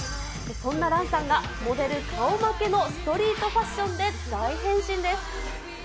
そんなランさんが、モデル顔負けのストリートファッションで大変身です。